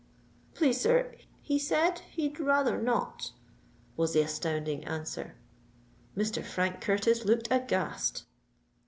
"Please, sir, he said he'd rayther not," was the astounding answer. Mr. Frank Curtis looked aghast.